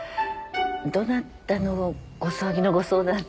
どなたのご葬儀のご相談で。